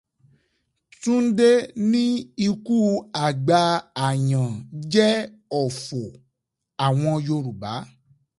Túndé ni ikú àgbà Àyàn jẹ́ òfò àwọn Yorùbá.